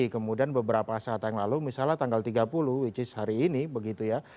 kemudian beberapa saat yang lalu misalnya tanggal tiga puluh which is hari ini begitu ya